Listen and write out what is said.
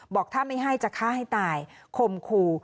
บอกถ้าไม่ให้จะฆ่าให้ตายคมคู่